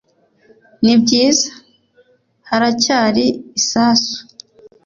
nibyiza! haracyari isasu;